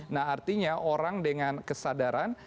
nah artinya orang dengan kesadaran